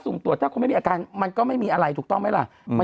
ุ่มตรวจถ้าคุณไม่มีอาการมันก็ไม่มีอะไรถูกต้องไหมล่ะ